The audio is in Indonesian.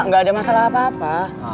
nggak ada masalah apa apa